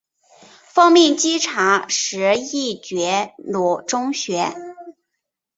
奉命稽查右翼觉罗宗学。